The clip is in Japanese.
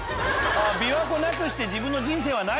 琵琶湖なくして自分の人生はない？